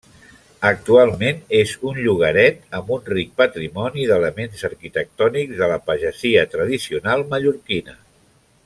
Actualment és un llogaret amb un ric patrimoni d'elements arquitectònics de la pagesia tradicional mallorquina.